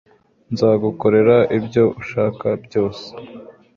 Nzagukorera ibyo ushaka byose